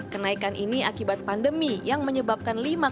kenaikan ini akibat pandemi yang menyebabkan